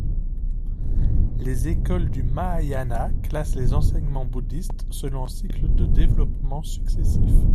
Les écoles du Mahayana classent les enseignements bouddhistes selon un cycle de développements successifs.